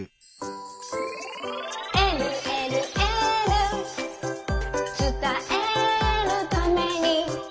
「えるえるエール」「つたえるために」